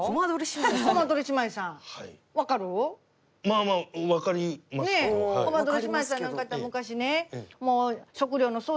こまどり姉妹さんなんかやったら昔ね。